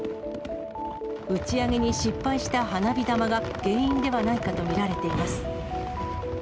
打ち上げに失敗した花火玉が原因ではないかと見られています。